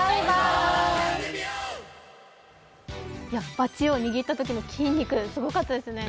バチを握ったときの筋肉すごかったですね。